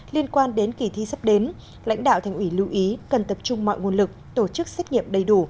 liên quan đến kỳ thi sắp đến lãnh đạo thành ủy lưu ý cần tập trung mọi nguồn lực tổ chức xét nghiệm đầy đủ